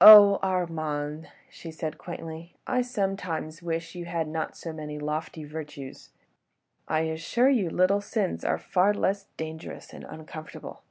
"Oh! Armand!" she said quaintly, "I sometimes wish you had not so many lofty virtues. ... I assure you little sins are far less dangerous and uncomfortable.